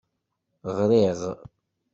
Ɣṛiɣ.